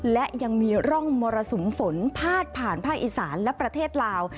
และยังมีร่องมรสุมฝนพาดผ่านภาคอีสานและประเทศลาว